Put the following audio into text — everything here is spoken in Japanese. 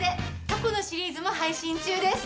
過去のシリーズも配信中です！